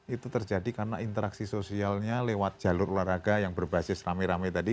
itu terjadi karena interaksi sosialnya lewat jalur olahraga yang berbasis rame rame tadi